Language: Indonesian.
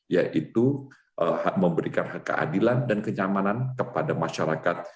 yaitu memberikan keadilan dan kenyamanan kepada masyarakat